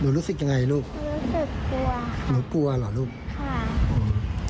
รู้สึกยังไงลูกรู้สึกกลัวหนูกลัวเหรอลูกค่ะ